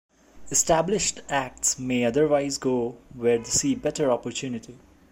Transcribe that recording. Established acts may otherwise go where they see better opportunity.